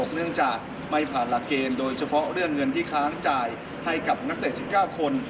เนื่องจากไม่ผ่านหลักเกณฑ์โดยเฉพาะเรื่องเงินที่ค้างจ่ายให้กับนักเตะ๑๙คน